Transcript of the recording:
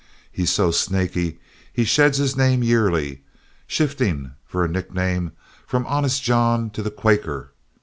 He's so snaky he sheds his name yearly, shifting for a nickname from Honest John to The Quaker.